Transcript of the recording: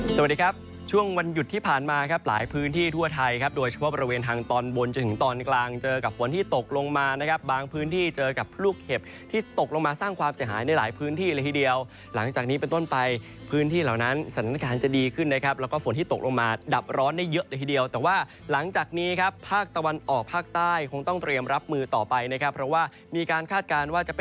สวัสดีครับช่วงวันหยุดที่ผ่านมาครับหลายพื้นที่ทั่วไทยครับโดยเฉพาะบริเวณทางตอนบนจึงตอนกลางเจอกับฝนที่ตกลงมานะครับบางพื้นที่เจอกับพลูกเห็บที่ตกลงมาสร้างความเสียหายในหลายพื้นที่ละทีเดียวหลังจากนี้เป็นต้นไปพื้นที่เหล่านั้นสถานการณ์จะดีขึ้นนะครับแล้วก็ฝนที่ตกลงมาดับร้อนได้เยอะล